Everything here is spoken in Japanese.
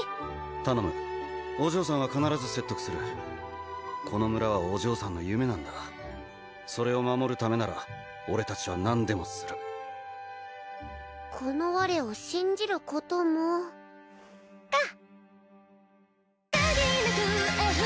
頼むお嬢さんは必ず説得するこの村はお嬢さんの夢なんだそれを守るためなら俺達は何でもするこの我を信じることもか！